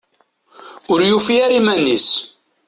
Ur yufi ara iman-is.